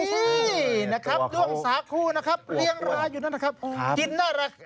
นี่นะครับด้วงสาคูนะครับเลี้ยงร้ายอยู่นั่นนะครับ